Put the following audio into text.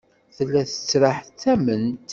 Tella tettraḥ tamemt.